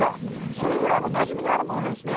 それぐらいなじみのあるものなんですね。